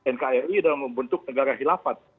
nkri dalam bentuk negara hilafat